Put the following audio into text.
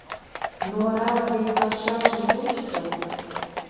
Но разве пашаже тушто?